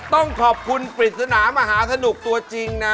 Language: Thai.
ต้องขอบคุณปริศนามหาสนุกตัวจริงนะ